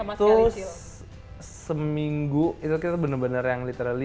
terus seminggu itu kita benar benar yang literally